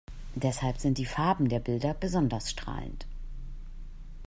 Deshalb sind die Farben der Bilder besonders strahlend.